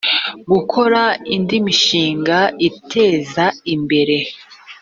gukora indi mishinga iteza imbere